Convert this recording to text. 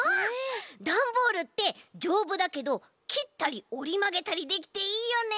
ダンボールってじょうぶだけどきったりおりまげたりできていいよね。